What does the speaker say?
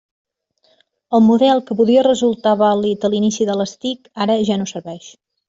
El model que podia resultar vàlid a l'inici de les TIC, ara ja no serveix.